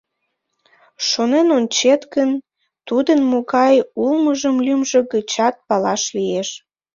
Шонен ончет гын, тудын могай улмыжым лӱмжӧ гычат палаш лиеш.